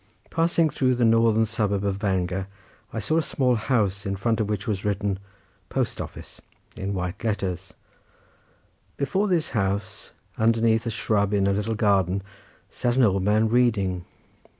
Passing through the northern suburb of Bangor I saw a small house in front of which was written "post office" in white letters; before this house underneath a shrub in a little garden sat an old man reading.